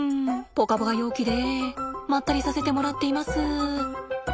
ぽかぽか陽気でまったりさせてもらっています。